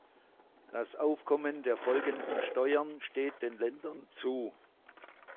Das Aufkommen der folgenden Steuern steht den Ländern zu.